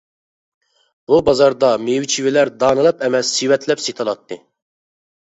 بۇ بازاردا مېۋە چېۋىلەر دانىلاپ ئەمەس سېۋەتلەپ سېتىلاتتى.